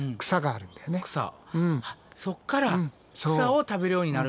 そっから草を食べるようになるんや。